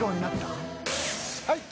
はい。